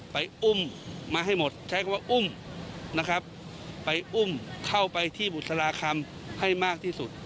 อุ้มมาให้หมดใช้คำว่าอุ้มนะครับไปอุ้มเข้าไปที่บุษราคำให้มากที่สุด